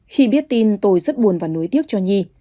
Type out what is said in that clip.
khi biết tin tôi rất buồn và nối tiếc cho nhi